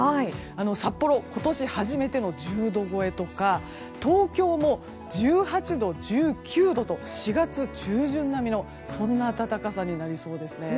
札幌は今年初めての１０度超えとか東京も１８度、１９度と４月中旬並みのそんな暖かさになりそうですね。